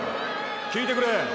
きいてくれ。